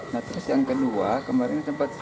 nah terus yang kedua kemarin tempat secoba coba